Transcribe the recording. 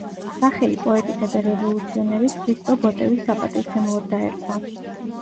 სახელი პოეტისა და რევოლუციონერის ხრისტო ბოტევის საპატივცემულოდ დაერქვა.